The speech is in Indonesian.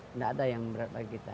tidak ada yang berat bagi kita